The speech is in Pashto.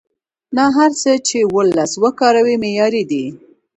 نه هر څه چې وولس وکاروي معیاري دي.